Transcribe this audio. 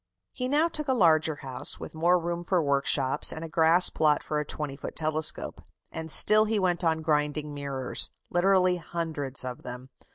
He now took a larger house, with more room for workshops, and a grass plot for a 20 foot telescope, and still he went on grinding mirrors literally hundreds of them.